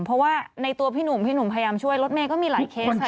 เพราะว่าในตัวพี่หนุ่มพี่หนุ่มพยายามช่วยรถเมย์ก็มีหลายเคสค่ะ